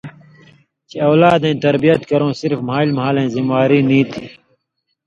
چے اؤلادَیں تربیت کرؤں صرف مھالیۡ مھالَیں ذمواری نی تھی